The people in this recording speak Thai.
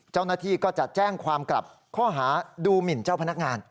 เจ้าหน้าที่ก็จะแจ้งความกลับข้อหาดูหมินเจ้าพนักงาน